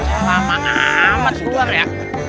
bocah lama amat keluar ya